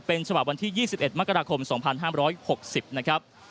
เป็นฉบับวันที่๒๑มกราคม๒๕๖๐นะครับ